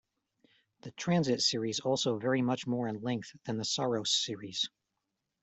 The transit series also vary much more in length than the saros series.